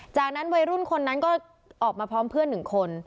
จากนั้นวัยรุ่นคนนั้นก็ออกมาพร้อมเพื่อนหนึ่งคน